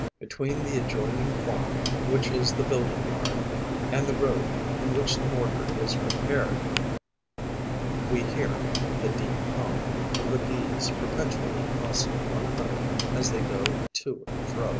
Between the adjoining farm, which is the building yard, and the road, in which the mortar is prepared, we hear the deep hum of the Bees perpetually crossing one another as they go to and fro.